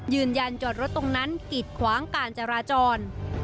จอดรถตรงนั้นกิดขวางการจราจร